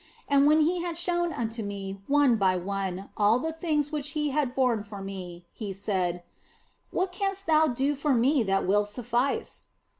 And when He had showed unto me one by one all the things which He had borne for me, He said, " What canst thou do for Me that will suffice